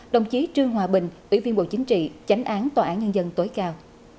đồng chí trương hòa bình ủy viên bộ chính trị tránh án tòa án nhân dân tối cao